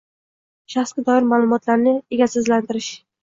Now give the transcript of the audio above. Shaxsga doir ma’lumotlarni egasizlantirish